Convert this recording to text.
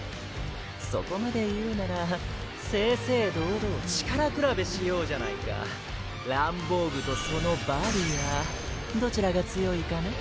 そこまで言うなら正々堂々力くらべしようじゃないかランボーグとそのバリアーどちらが強いかな？